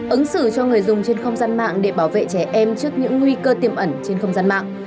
ứng xử cho người dùng trên không gian mạng để bảo vệ trẻ em trước những nguy cơ tiềm ẩn trên không gian mạng